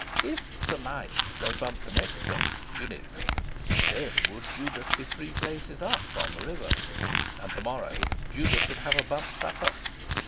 If to night they bumped the next boat, Univ., then would Judas be three places "up" on the river; and to morrow Judas would have a Bump Supper.